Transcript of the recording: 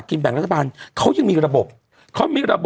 เป็นการกระตุ้นการไหลเวียนของเลือด